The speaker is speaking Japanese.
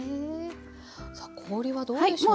さあ氷はどうでしょうか？